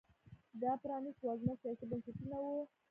دا پرانیست وزمه سیاسي بنسټونه وو